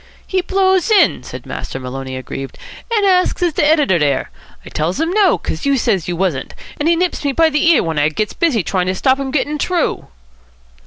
"He blows in," said Master Maloney, aggrieved, "and asks is de editor dere. I tells him no, 'cos youse said youse wasn't, and he nips me by the ear when I gets busy to stop him gettin' t'roo."